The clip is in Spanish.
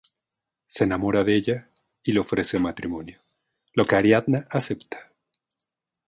Se enamora de ella y le ofrece matrimonio, lo que Ariadna acepta.